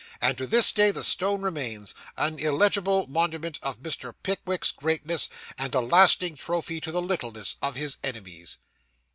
And to this day the stone remains, an illegible monument of Mr. Pickwick's greatness, and a lasting trophy to the littleness of his enemies.